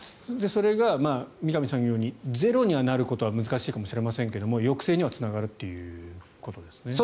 それが三上さんが言うようにゼロになることは難しいかもしれませんが抑制にはつながるということですね。